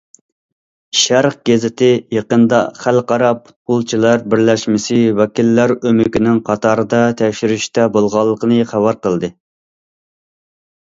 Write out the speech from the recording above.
‹‹ شەرق›› گېزىتى يېقىندا خەلقئارا پۇتبولچىلار بىرلەشمىسى ۋەكىللەر ئۆمىكىنىڭ قاتاردا تەكشۈرۈشتە بولغانلىقىنى خەۋەر قىلدى.